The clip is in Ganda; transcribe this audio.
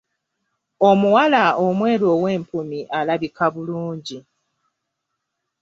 Omuwala omweru ow’empumi alabika bulungi.